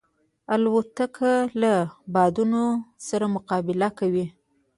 الوتکه له بادونو سره مقابله کوي.